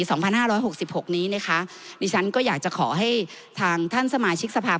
สองพันห้าร้อยหกสิบหกนี้นะคะดิฉันก็อยากจะขอให้ทางท่านสมาชิกสภาพ